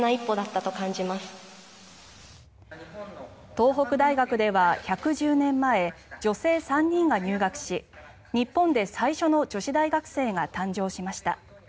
東北大学では１１０年前女性３人が入学し日本で最初の女子大学生が誕生しました。